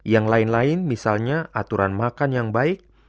yang lain lain misalnya aturan makan yang baik